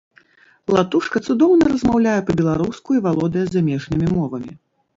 Латушка цудоўна размаўляе па-беларуску і валодае замежнымі мовамі.